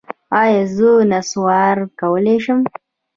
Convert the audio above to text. ایا زه نسوار کولی شم؟